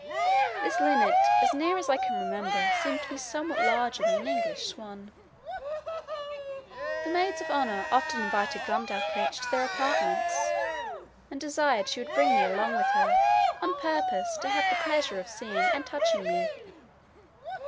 This linnet, as near as I can remember, seemed to be somewhat larger than an English swan. The maids of honour often invited Glumdalclitch to their apartments, and desired she would bring me along with her, on purpose to have the pleasure of seeing and touching me.